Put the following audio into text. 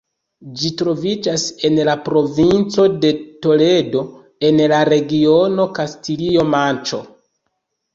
Ĝi troviĝas en la provinco de Toledo, en la regiono Kastilio-Manĉo.